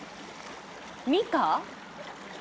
ミカ？